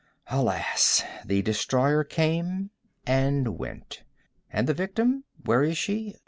Alas! the destroyer came and went!—and the victim—where is she?